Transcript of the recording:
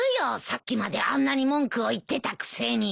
さっきまであんなに文句を言ってたくせに。